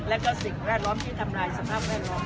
และก็สิ่งแวดล้อมที่ทำลายสภาพแวดล้อม